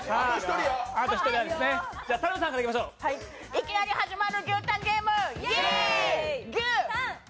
いきなり始まる牛タンゲーム！